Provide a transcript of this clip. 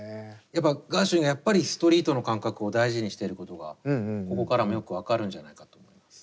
ガーシュウィンがやっぱりストリートの感覚を大事にしてることがここからもよく分かるんじゃないかと思います。